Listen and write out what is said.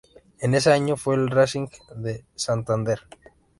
En ese año se fue al Racing de Santander.